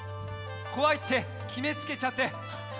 こわいってきめつけちゃって。